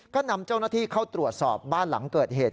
ก็นำเจ้าหน้าที่เข้าตรวจสอบบ้านหลังเกิดเหตุ